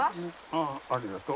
ああありがとう。